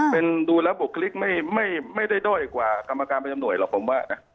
เป็นดูแล้วบุคลิกไม่ได้ด้อยกว่ากรรมการประจำหน่วยหรอกผมว่านะ